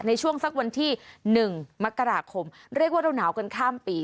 ในช่วงสักวันที่๑มกราคมเรียกว่าเราหนาวกันข้ามปี